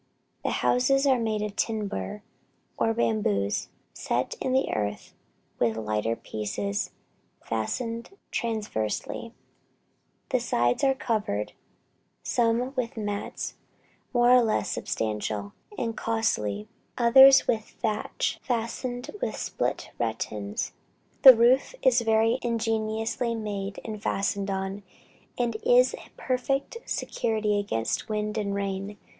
The houses are made of timbers, or bamboos, set in the earth, with lighter pieces fastened transversely. The sides are covered, some with mats, more or less substantial and costly, others with thatch, fastened with split ratans. The roof is very ingeniously made and fastened on, and is a perfect security against wind and rain.